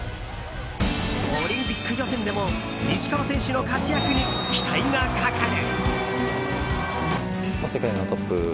オリンピック予選でも石川選手の活躍に期待がかかる。